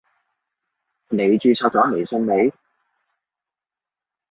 你註冊咗微信未？